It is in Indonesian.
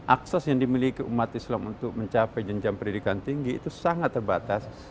akses yang dimiliki umat islam untuk mencapai jenjang pendidikan tinggi itu sangat terbatas